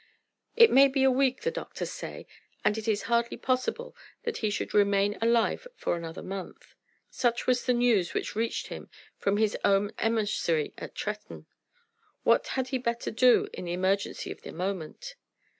"It may be a week, the doctors say, and it is hardly possible that he should remain alive for another month." Such was the news which reached him from his own emissary at Tretton. What had he better do in the emergency of the moment?